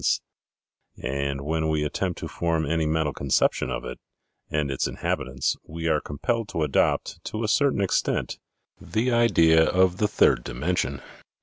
THE FOURTH DIMENSION I2 i and when we attempt to form any mental conception of it and its inhabitants, we are compelled to adopt, to a certain extent, the idea of the third dimension.